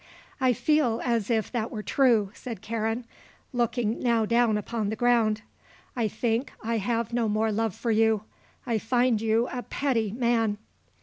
"I feel as if that were true," said Karen, looking now down upon the ground. "I think I have no more love for you. I find you a petty man."